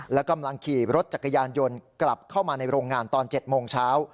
และกำลังขี่รถจักรยานยนต์กลับเข้ามาในโรงงานตอน๗โมงเช้า